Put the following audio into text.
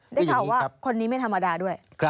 ได้ข่าวว่าคนนี้ไม่ธรรมดาด้วย